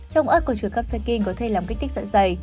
trong ớt có chứa cắp sạc kênh có thể làm kích thích dẫn dày